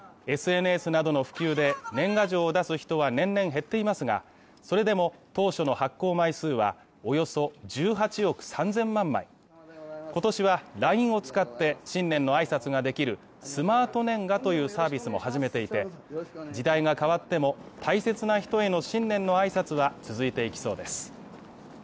ＳＮＳなどの普及で年賀状を出す人は年々減っていますが、それでも当初の発行枚数はおよそ１８億３０００万枚今年はＬＩＮＥを使って新年の挨拶ができるスマートねんがというサービスも始めていて、時代が変わっても大切な人への新年の挨拶は続いていきそうです。